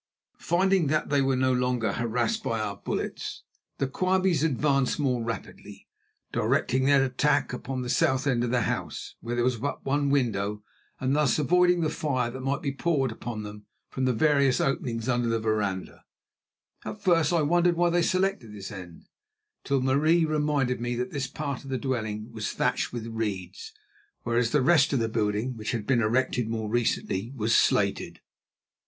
Finding that they were no longer harassed by our bullets, the Quabies advanced more rapidly, directing their attack upon the south end of the house, where there was but one window, and thus avoiding the fire that might be poured upon them from the various openings under the veranda. At first I wondered why they selected this end, till Marie reminded me that this part of the dwelling was thatched with reeds, whereas the rest of the building, which had been erected more recently, was slated.